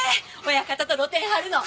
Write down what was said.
親方と露店張るの。